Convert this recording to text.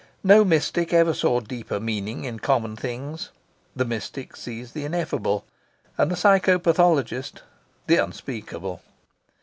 No mystic ever saw deeper meaning in common things. The mystic sees the ineffable, and the psycho pathologist the unspeakable.